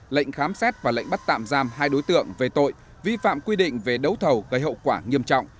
lệnh khám xét và lệnh bắt tạm giam hai đối tượng về tội vi phạm quy định về đấu thầu gây hậu quả nghiêm trọng